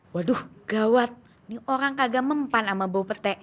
waduh gawat ini orang kagak mempan sama bau petek